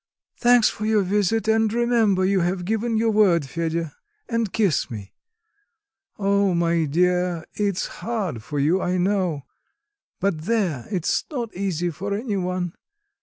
Thanks for your visit; and remember you have given your word, Fedya, and kiss me. Oh, my dear, it's hard for you, I know; but there, it's not easy for any one.